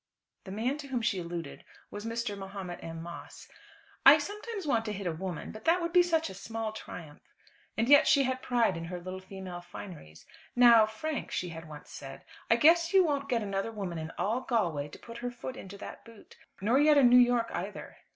The man to whom she alluded was Mr. Mahomet M. Moss. "I sometimes want to hit a woman, but that would be such a small triumph." And yet she had a pride in her little female fineries. "Now, Frank," she had once said, "I guess you won't get another woman in all Galway to put her foot into that boot; nor yet in New York either."